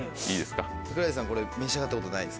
桜井さんこれ召し上がったことないですか？